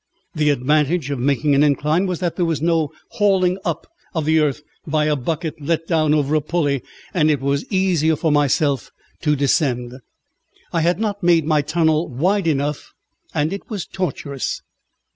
The advantage of making an incline was that there was no hauling up of the earth by a bucket let down over a pulley, and it was easier for myself to descend. I had not made my tunnel wide enough, and it was tortuous.